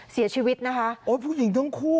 เสียชีวิตนะคะโอ้ผู้หญิงทั้งคู่